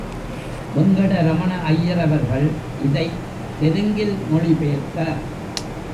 வெங்கடரமண ஐயர் அவர்கள் இதைத் தெலுங்கில் மொழி பெயர்த்தார்.